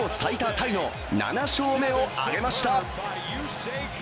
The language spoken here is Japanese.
タイの７勝目を挙げました。